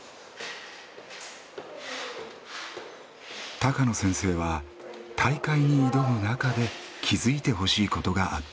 高野先生は大会に挑む中で気付いてほしいことがあった。